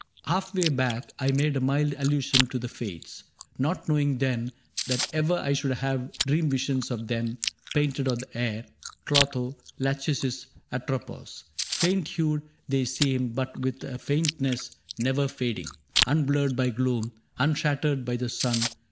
^^ Halfway back I made a mild allusion to the Fates, Not knowing then that ever I should have Dream visions of them, painted on the air, — Clotho, Lachesis, Atropos. Faint hued They seem, but with a faintness never fading, Unblurred by gloom, unshattered by the sun.